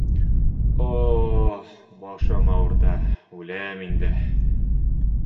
О-о-о, башым ауырта, үләм инде...